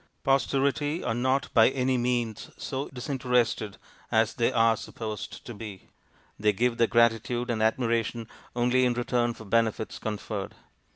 Posterity are not by any means so disinterested as they are supposed to be. They give their gratitude and admiration only in return for benefits conferred.